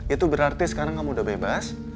itu berarti sekarang kamu udah bebas